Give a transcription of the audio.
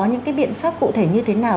những cái biện pháp cụ thể như thế nào